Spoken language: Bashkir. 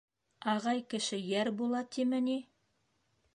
Ағай кеше йәр була тиме ни?!